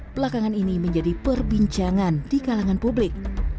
belakangan ini menjadi perbincangan di kalangan publik